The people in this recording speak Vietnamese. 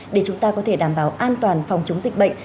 để chúng ta có thể đảm bảo an toàn phòng chống dịch bệnh